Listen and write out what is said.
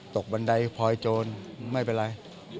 บันไดพลอยโจรไม่เป็นไร